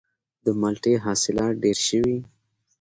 د مالټې حاصلات ډیر شوي؟